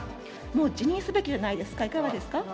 もう辞任すべきじゃないですか、いかがですか。